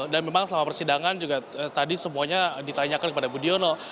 dan memang selama persidangan juga tadi semuanya ditanyakan kepada budiono